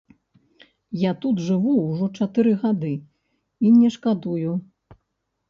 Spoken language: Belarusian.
Я тут жыву ўжо чатыры гады і не шкадую.